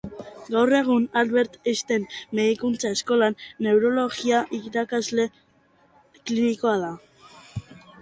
Gaur egun Albert Einstein Medikuntza Eskolan neurologia irakasle klinikoa da.